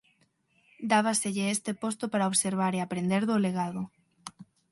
Dábaselle este posto para observar e aprender do legado.